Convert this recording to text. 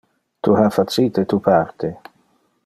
Tu ha facite tu parte.